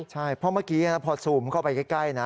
ใช่เพราะเมื่อกี้พอซูมเข้าไปใกล้นะ